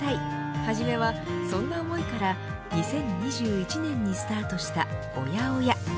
初めはそんな思いから２０２１年にスタートしたＯＹＡＯＹＡ。